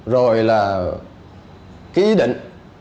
rồi là ký định